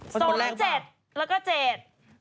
สองเจ็ดแล้วก็เจ็ด